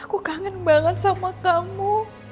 aku kangen banget sama kamu